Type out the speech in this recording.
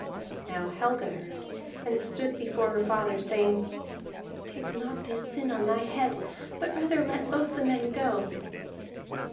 Now Helga heard, and stood before her father, saying: "Take not this sin on thy head, but rather let both the men go."